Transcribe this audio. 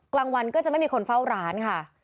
กลางวันก็จะไม่มีคนเฝ้าร้านค่ะ